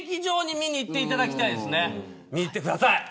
見に行ってください。